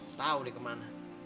nggak tahu deh kemana